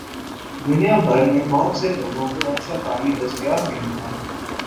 دنیا بھر میں بہت سے لوگوں کو اچھا پانی دستیاب نہیں ہے۔